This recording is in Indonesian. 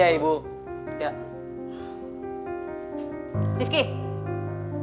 ya tidak percaya lo lagi kan